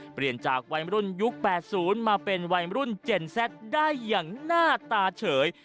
เปลี่ยนจากวัยมรุ่นยุค๘๐มาเป็นวัยรุ่นเจนแซดได้อย่างหน้าตาเฉย